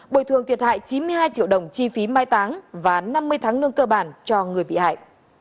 bồi thường thiệt hại chín mươi hai triệu đồng chi phí mai táng và năm mươi tháng lương cơ bản cho người bị hại